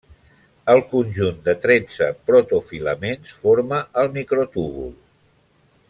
El conjunt de tretze protofilaments forma el microtúbul.